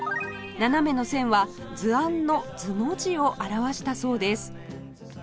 斜めの線は「図案」の「図」の字を表したそうです